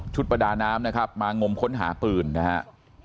ประดาน้ำนะครับมางมค้นหาปืนนะฮะ